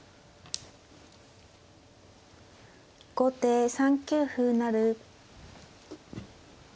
後手３九歩成。